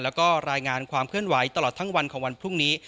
แล้วก็รายงานความเคลื่อนไหวตลอดทั้งวันของวันพรุ่งนี้